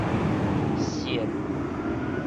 搧